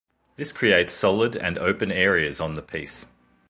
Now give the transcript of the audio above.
This creates solid and open areas on the piece.